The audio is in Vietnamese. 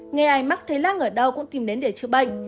nghe ai mắc thấy láng ở đâu cũng tìm đến để chữa bệnh